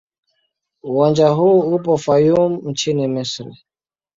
Uwanja huu upo Fayoum nchini Misri.